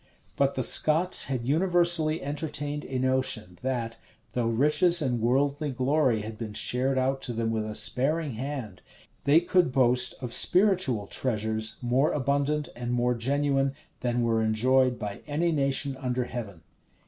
[] But the Scots had universally entertained a notion, that, though riches and worldly glory had been shared out to them with a sparing hand, they could boast of spiritual treasures more abundant and more genuine than were enjoyed by any nation under heaven.